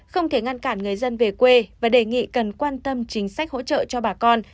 không thể ngăn cản người dân về quê và đề nghị cần quan tâm chính sách hỗ trợ cho bà con